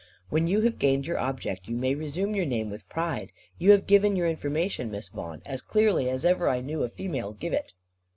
When you have gained your object, you may resume your name with pride. You have given your information, Miss Vaughan, as clearly as ever I knew a female give it."